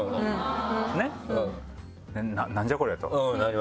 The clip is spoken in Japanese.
「何じゃこりゃ」となって。